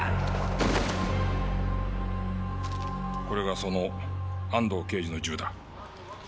これがその安堂刑事の銃だ。